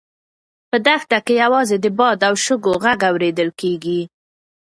په دښته کې یوازې د باد او شګو غږ اورېدل کېږي.